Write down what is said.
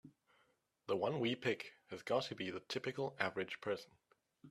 The one we pick has gotta be the typical average person.